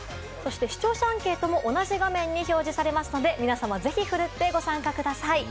そして視聴者アンケートも同じ画面に表示されますので、ぜひ皆様、奮ってご参加ください。